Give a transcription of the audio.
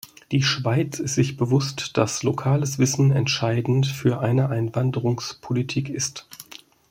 Die Schweiz ist sich bewusst, dass lokales Wissen entscheidend für eine Einwanderungspolitik ist.